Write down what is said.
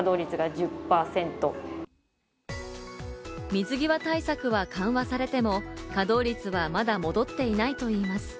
水際対策は緩和されても稼働率はまだ戻っていないと言います。